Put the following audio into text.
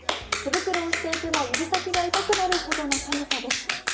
手袋をしていても、指先が痛くなるほどの寒さです。